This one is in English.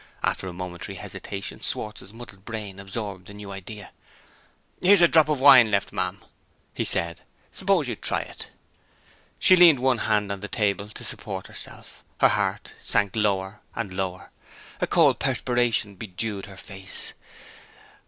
After a momentary hesitation, Schwartz's muddled brain absorbed the new idea. "Here's a drop of wine left, ma'am," he said. "Suppose you try it?" She leaned one hand on the table to support herself. Her heart sank lower and lower; a cold perspiration bedewed her face.